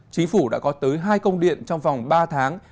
chính phủ đã có tới hai công điện trong vòng ba tháng